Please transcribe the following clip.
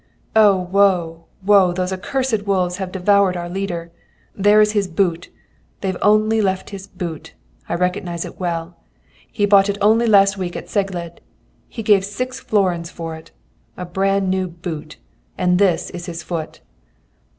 "'Oh, woe, woe! Those accursed wolves have devoured our leader! There's his boot! They've only left his boot. I recognise it well. He bought it only last week at Czegled. He gave six florins for it. A brand new boot! And this is his foot.'